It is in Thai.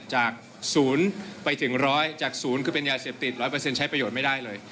จาก๐ไปถึง๑๐๐จากศูนย์คือเป็นยาเสพติด๑๐๐ใช้ประโยชน์ไม่ได้เลย